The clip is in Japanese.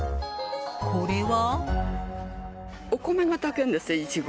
これは？